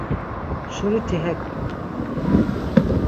Şuriti hekt̆u.